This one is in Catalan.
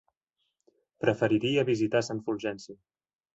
Preferiria visitar Sant Fulgenci.